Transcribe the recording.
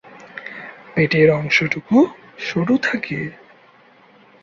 পেটের অংশটুকু সরু থাকে।